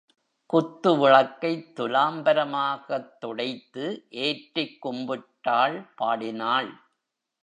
குத்துவிளக்கைத் துலாம்பரமாகத் துடைத்து ஏற்றிக் கும்பிட்டாள் பாடினாள்.